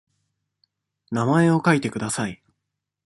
名前を書いてください。